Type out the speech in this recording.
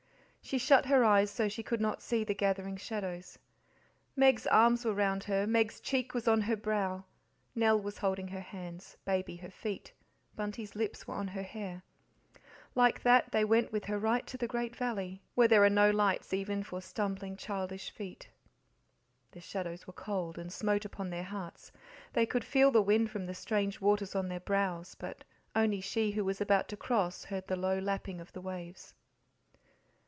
She shut her eyes so she could not see the gathering shadows. Meg's arms were round her, Meg's cheek was on her brow, Nell was holding her hands, Baby her feet, Bunty's lips were on her hair. Like that they went with her right to the Great Valley, where there are no lights even for stumbling, childish feet. The shadows were cold, and smote upon their hearts; they could feel the wind from the strange waters on their brows; but only she who was about to cross heard the low lapping of the waves.